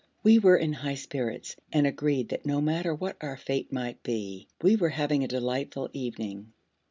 We were in high spirits, and agreed that no matter what our fate might be we were having a delightful evening.